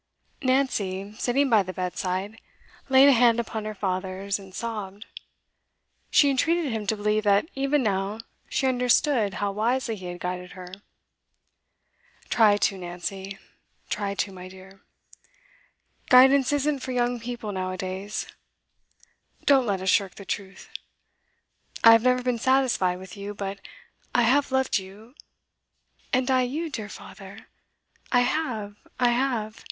Nancy, sitting by the bedside, laid a hand upon her father's and sobbed. She entreated him to believe that even now she understood how wisely he had guided her. 'Tried to, Nancy; tried to, my dear. Guidance isn't for young people now a days. Don't let us shirk the truth. I have never been satisfied with you, but I have loved you ' 'And I you, dear father I have! I have!